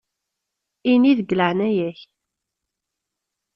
Ini: « deg leεna-yak».